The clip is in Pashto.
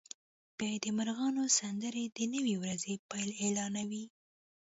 بیا د مرغانو سندرې د نوې ورځې پیل اعلانوي